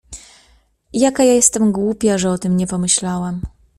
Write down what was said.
— Jaka ja jestem głupia, że o tym nie pomyślałam!